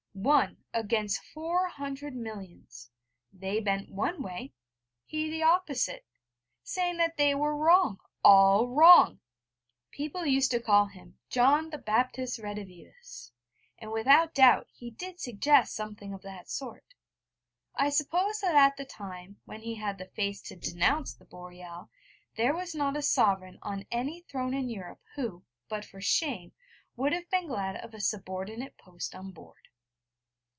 One against four hundred millions, they bent one way, he the opposite, saying that they were wrong, all wrong! People used to call him 'John the Baptist Redivivus': and without doubt he did suggest something of that sort. I suppose that at the time when he had the face to denounce the Boreal there was not a sovereign on any throne in Europe who, but for shame, would have been glad of a subordinate post on board.